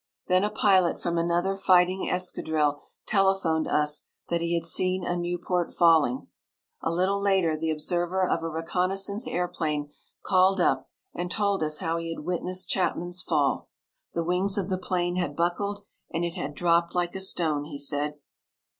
Then a pilot from another fighting escadrille telephoned us that he had seen a Nieuport falling. A little later the observer of a reconnaissance airplane called up and told us how he had witnessed Chapman's fall. The wings of the plane had buckled, and it had dropped like a stone he said.